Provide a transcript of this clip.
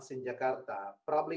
di jakarta mungkin